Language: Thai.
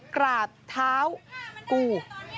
กราบเท้ากู